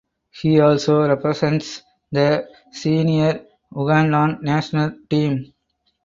He also represents the senior Ugandan national team.